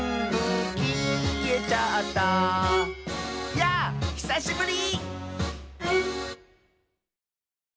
「やぁひさしぶり！」